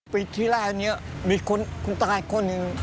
ปีที่แรกนี้มีคนตายคนหนึ่ง